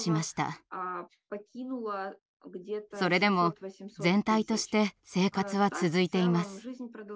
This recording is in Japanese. それでも全体として生活は続いています。